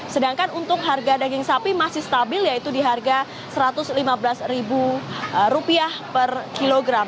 sedangkan untuk harga daging sapi masih stabil yaitu di harga rp satu ratus lima belas per kilogram